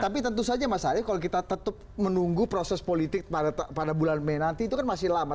tapi tentu saja mas ari kalau kita tetap menunggu proses politik pada bulan mei nanti itu kan masih lama